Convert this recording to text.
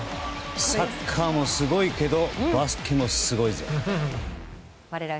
サッカーもすごいけどバスケもすごいぜ！